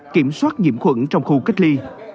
kiểm soát nhiễm khuẩn trong khu kết ly